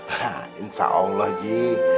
hah insya allah ji